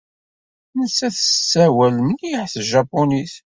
Nettat tessawel mliḥ s tjapunit.